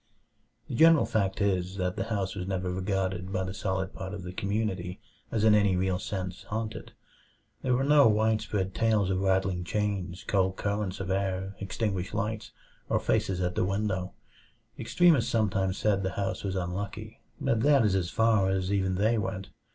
The general fact is, that the house was never regarded by the solid part of the community as in any real sense "haunted." There were no widespread tales of rattling chains, cold currents of air, extinguished lights, or faces at the window. Extremists sometimes said the house was "unlucky," but that is as far as even they went.